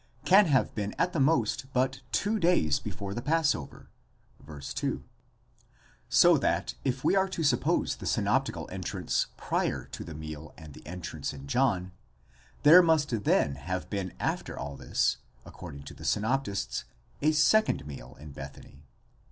can have been at the most but two days before the passover (v. 2) ; sothat if we are to suppose the synoptical entrance prior to the meal and the entrance in John, there must then have been after all this, according to the synoptists, a second meal in Bethany.